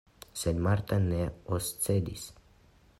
Sed Marta ne oscedis.